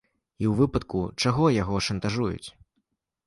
І ў выпадку чаго яго шантажуюць.